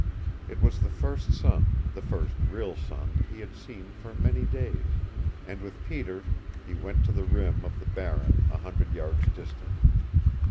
It was the first sun the first real sun he had seen for many days, and with Peter he went to the rim of the barren a hundred yards distant.